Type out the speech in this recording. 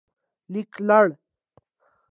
لیکلړ